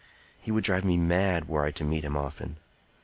He would drive me mad were I to meet him often.